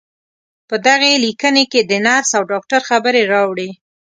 په دغې ليکنې کې د نرس او ډاکټر خبرې راوړې.